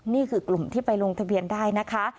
นี่คือกลุ่มที่ไปลงทะเบียนได้นะคะ